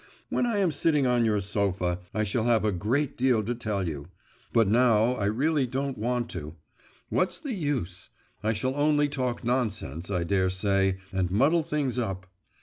When I am sitting on your sofa, I shall have a great deal to tell you, but now I really don't want to; what's the use? I shall only talk nonsense, I dare say, and muddle things up.